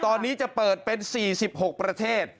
ตอนนี้จะเปิดเป็น๔๖ประเทศ